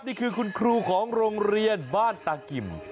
นี่คือคุณครูของโรงเรียนบ้านตากิม